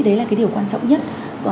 đấy là cái điều quan trọng nhất